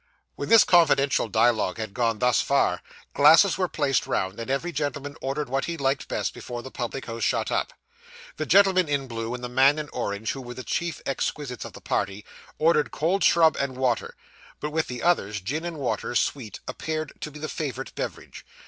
When this confidential dialogue had gone thus far, glasses were placed round, and every gentleman ordered what he liked best, before the public house shut up. The gentleman in blue, and the man in orange, who were the chief exquisites of the party, ordered 'cold shrub and water,' but with the others, gin and water, sweet, appeared to be the favourite beverage.